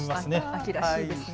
秋らしいですね。